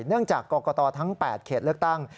จากกรกตทั้ง๘เขตเลือกตั้ง